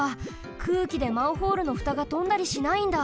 くうきでマンホールのふたがとんだりしないんだ。